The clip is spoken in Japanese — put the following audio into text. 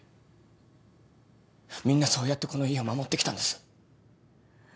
みんなそうやってこの家を守ってきたんです。